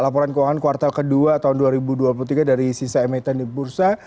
laporan keuangan kuartal ke dua tahun dua ribu dua puluh tiga dari sisa emiten di bursa